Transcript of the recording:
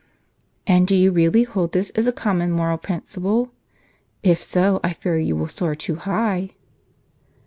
"" And do you really hold this as a common moral princi ple? If so, I fear you will soar too high."